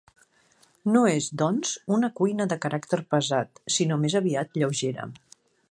No és, doncs, una cuina de caràcter pesat, sinó més aviat lleugera.